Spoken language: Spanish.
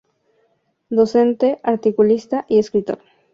Docente, articulista y escritor.